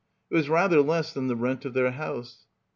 It was rather less than the rent of their house.